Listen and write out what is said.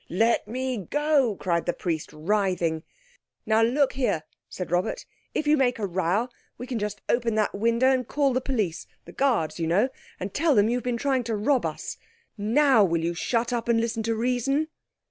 "Let me go!" cried the Priest, writhing. "Now, look here," said Robert, "if you make a row we can just open that window and call the police—the guards, you know—and tell them you've been trying to rob us. Now will you shut up and listen to reason?"